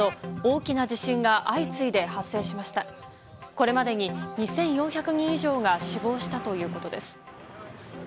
これまでに２４００人以上が死亡したということです。